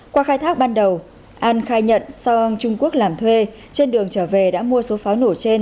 qua khai thác ban đầu an khai nhận do trung quốc làm thuê trên đường trở về đã mua số pháo nổ trên